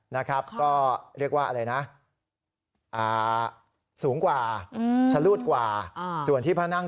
นะครับก็เรียกว่าอะไรนะสูงกว่าชะลูดกว่าส่วนที่พระนั่ง